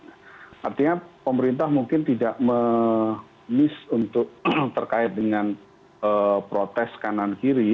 artinya pemerintah mungkin tidak miss untuk terkait dengan protes kanan kiri